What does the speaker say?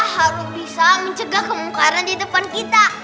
harus bisa mencegah kemungkaran di depan kita